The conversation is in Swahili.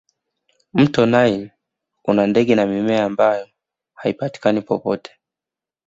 mto naili una ndege na mimea ambayo haipatikani popote